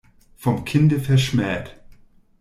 Vom Kinde verschmäht.